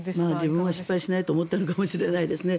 自分は失敗しないと思ってるのかもしれないですね。